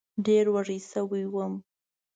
ډېره وږې سوې وم